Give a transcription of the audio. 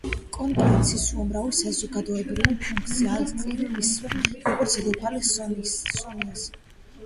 კრონ–პრინცს უამრავი საზოგადოებრივი ფუნქცია აკისრია ისევე როგორც დედოფალ სონიას.